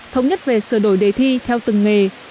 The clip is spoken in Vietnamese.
thống nhất về sửa đổi đề thi theo từng nghề